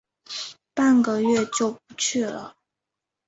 半个月就不去了